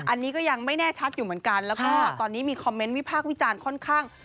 อันนี้ก็ยังไม่แน่ชัดอยู่เหมือนกันแล้วก็ตอนนี้มีคอมเมนต์วิพากษ์วิจารณ์ค่อนข้าง